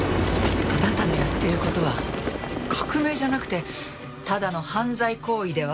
あなたのやっている事は革命じゃなくてただの犯罪行為では？